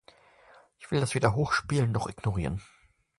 Ich will das weder hochspielen, noch ignorieren.